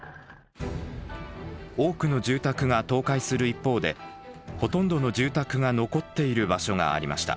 多くの住宅が倒壊する一方でほとんどの住宅が残っている場所がありました。